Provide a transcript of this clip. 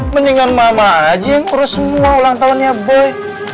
menyengar mama aja yang urus semua ulang tahunnya boy